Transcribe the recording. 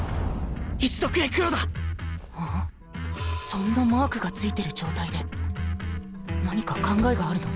そんなマークがついてる状態で何か考えがあるの？